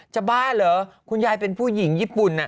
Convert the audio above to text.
บ้าเหรอคุณยายเป็นผู้หญิงญี่ปุ่น